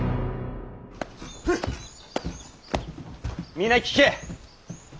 皆聞け。